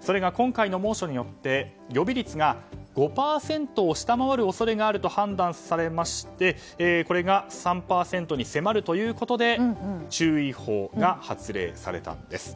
それが今回の猛暑によって予備率が５％を下回る恐れがあると判断されましてこれが３％に迫るということで注意報が発令されたんです。